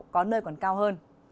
có nơi còn cao hơn